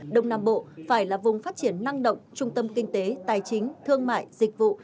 đông nam bộ phải là vùng phát triển năng động trung tâm kinh tế tài chính thương mại dịch vụ